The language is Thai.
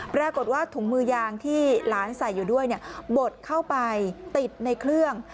ปรากฏว่าถุงมือยางที่หลานใส่อยู่ด้วยบดเข้าไปติดในเครื่อง